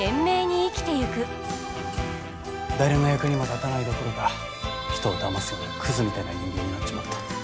誰の役にも立たないどころか人をだますようなクズみたいな人間になっちまった。